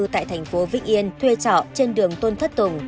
tại thành phố vĩnh yên thuê trọ trên đường tôn thất tùng